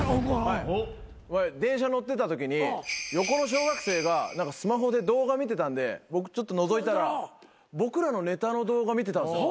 電車乗ってたときに横の小学生がスマホで動画見てたんで僕ちょっとのぞいたら僕らのネタの動画見てたんですよ。